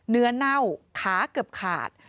เนื้อเน่าขาเกือบขาด